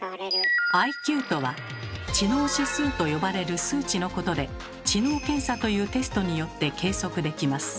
ＩＱとは「知能指数」と呼ばれる数値のことで知能検査というテストによって計測できます。